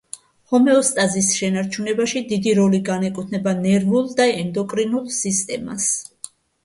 ჰომეოსტაზის შენარჩუნებაში დიდი როლი განეკუთვნება ნერვულ და ენდოკრინულ სისტემას.